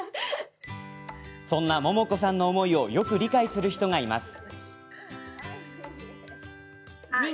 そんな百桃子さんの思いをよく理解する人がいます。